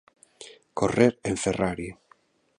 Correr en Ferrari.